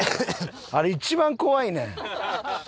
あれ一番怖いねん。